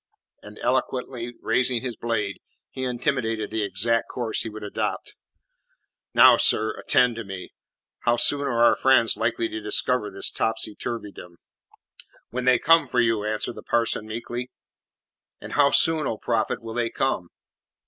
And eloquently raising his blade, he intimated the exact course he would adopt. "Now, sir, attend to me. How soon are our friends likely to discover this topsy turvydom?" "When they come for you," answered the parson meekly. "And how soon, O prophet, will they come?"